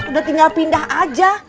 udah tinggal pindah aja